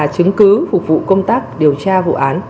phục vụ công tác điều tra vụ án